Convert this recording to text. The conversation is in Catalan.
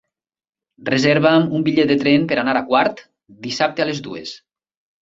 Reserva'm un bitllet de tren per anar a Quart dissabte a les dues.